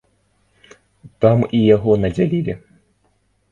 Там і яго надзялілі.